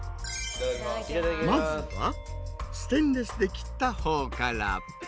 まずはステンレスで切った方から。